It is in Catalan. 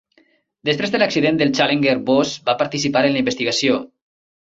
Després de l'accident del "Challenger", Voss va participar en la investigació.